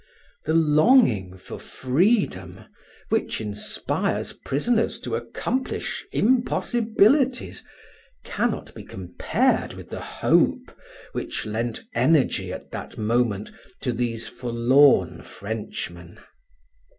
The longing for freedom, which inspires prisoners to accomplish impossibilities, cannot be compared with the hope which lent energy at that moment to these forlorn Frenchmen.